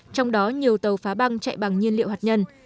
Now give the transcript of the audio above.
trong đó nhiều tàu phá băng chạy bằng nhiên liệu hạt nhân